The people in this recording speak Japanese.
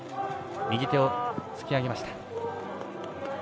右手を突き上げました。